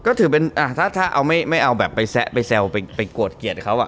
ก็ถือเป็นถ้าเอาไม่เอาแบบไปแซะไปแซวไปโกรธเกลียดเขา